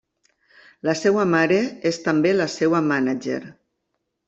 La seva mare és també la seva mànager.